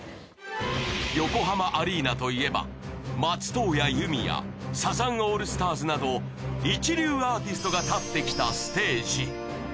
横浜アリーナといえば松任谷由実やサザンオールスターズなど一流アーティストが立って来たステージ